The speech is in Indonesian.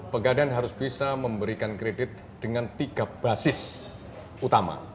pegadaian harus bisa memberikan kredit dengan tiga basis utama